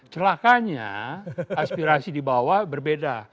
celakanya aspirasi di bawah berbeda